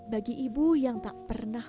bagi ibu yang tak pernah